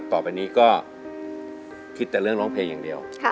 ต่อไปนี้ก็คิดแต่เรื่องร้องเพลงอย่างเดียว